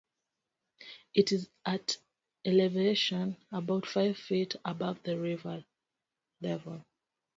It is at elevation about five feet above the river level.